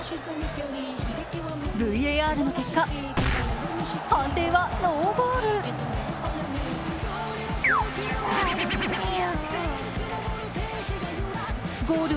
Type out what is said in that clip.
ＶＡＲの結果判定はノーゴール。